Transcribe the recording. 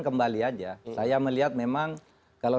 kembali aja saya melihat memang kalau